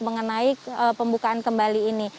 mengenai pembukaan kembali ini